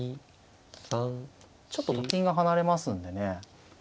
ちょっとと金が離れますんでね。